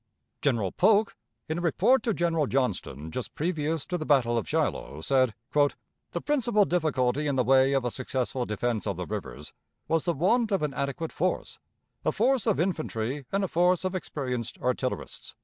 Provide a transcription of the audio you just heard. General Polk, in a report to General Johnston just previous to the battle of Shiloh, said: "The principal difficulty in the way of a successful defense of the rivers, was the want of an adequate force a force of infantry and a force of experienced artillerists."